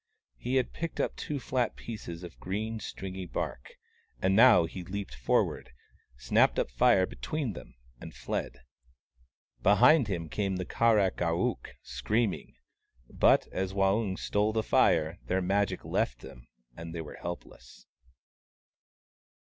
He had picked up two flat pieces of green stringy bark ; and now he leaped forward, snapped up Fire between WAUNG, THE CROW 57 them, and fled. Behind him came the Kar ak ar ook, screaming. But as Waung stole the Fire, their Magic left them, and they were helpless.